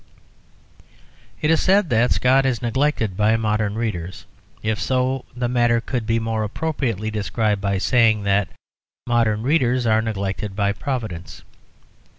It is said that Scott is neglected by modern readers; if so, the matter could be more appropriately described by saying that modern readers are neglected by Providence.